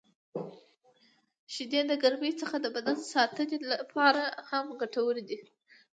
• شیدې د ګرمۍ څخه د بدن ساتنې لپاره هم ګټورې دي.